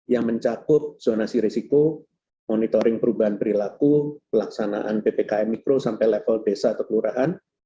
yang mencakup zonasi risiko monitoring perubahan perilaku pelaksanaan ppkm mikro sampai level desa atau kelurahan